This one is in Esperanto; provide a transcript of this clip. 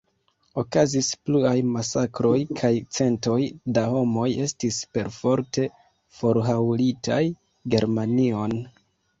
Okazis pluaj masakroj kaj centoj da homoj estis perforte forhaŭlitaj Germanion.